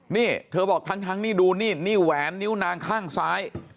นี่เธอบอกทั้งนี่ดูนี่นี่แหวนนิ้วนางข้างซ้าย